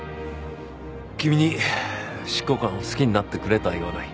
君に執行官を好きになってくれとは言わない。